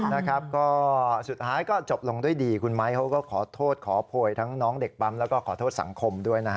ญาติดีเหมือนเดิม